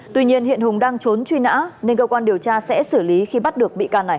tuy nhiên hiện hùng đang trốn truy nã nên cơ quan điều tra sẽ xử lý khi bắt được bị can này